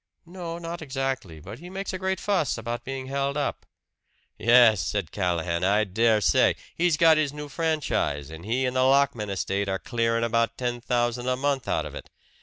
"No, not exactly. But he makes a great fuss about being held up." "Yes!" said Callahan. "I dare say! He's got his new franchise, and he and the Lockman estate are clearing about ten thousand a month out of it.